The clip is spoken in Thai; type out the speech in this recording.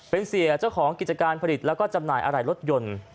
เป็นเสียเจ้าของกิจการผลิตแล้วก็จำหน่ายอะไรรถยนต์